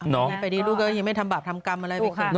น้องไปดีลูกก็ยังไม่ทำบาปทำกรรมอะไร